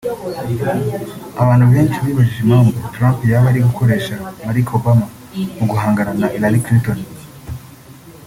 Abantu benshi bibajije impamvu Trump yaba ari gukoresha Malik Obama mu guhangana na Hilary Clinton